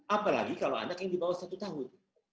apalagi kalau anak yang di bawah satu tahun